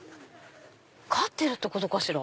飼ってるってことかしら？